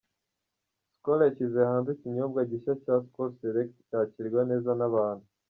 Skol yashyize hanze ikinyobwa gishya cya Skol Select cyakirwa neza n'abantu.